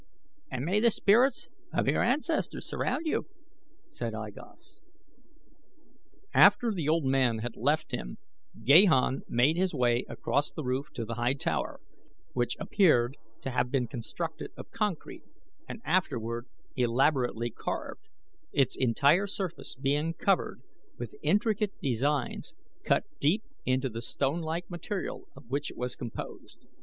"And may the spirits of your ancestors surround you," said I Gos. After the old man had left him Gahan made his way across the roof to the high tower, which appeared to have been constructed of concrete and afterward elaborately carved, its entire surface being covered with intricate designs cut deep into the stone like material of which it was composed.